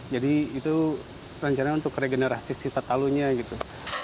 jadi itu rencana untuk regenerasi si tatalunya gitu